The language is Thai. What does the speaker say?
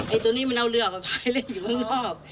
ตัวนี้มันเอาเรือออกมาพายเล่นอยู่ข้างนอก